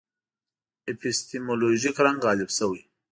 اپیستیمولوژیک رنګ غالب شوی.